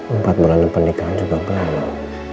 empat bulan pernikahan juga banyak